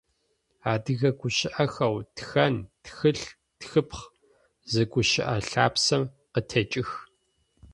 Адыгэ гущыӏэхэу «тхэн», «тхылъ», «тхыпхъ» зы гущыӏэ лъапсэм къытекӏых.